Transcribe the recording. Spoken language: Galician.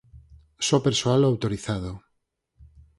só persoal autorizado